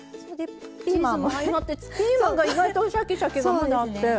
チーズも相まってピーマンが意外とシャキシャキがまだあって。